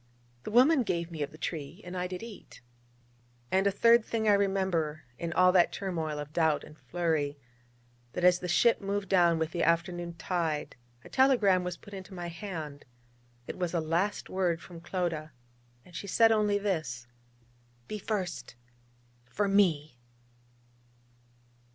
'The woman gave me of the tree, and I did eat....' And a third thing I remember in all that turmoil of doubt and flurry: that as the ship moved down with the afternoon tide a telegram was put into my hand; it was a last word from Clodagh; and she said only this: 'Be first for Me.'